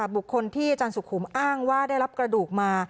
บุคคลที่อาจารย์สุขุมอ้างว่าได้รับกระดูกมา